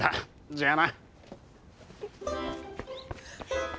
じゃあな。